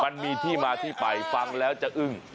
มันมีที่มาที่ไปฟังแล้วจะอึ้ง